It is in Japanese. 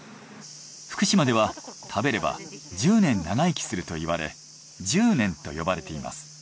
福島では食べれば１０年長生きするといわれ「じゅうねん」と呼ばれています。